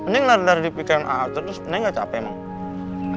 neng lari lari dipikiran a'a terus neng nggak capek emang